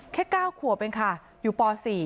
แค่๙ขวบเองค่ะอยู่ป๔